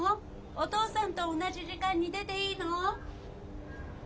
お父さんと同じ時間に出ていいの？